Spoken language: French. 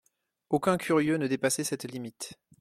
Aucun curieux ne dépassait cette limite.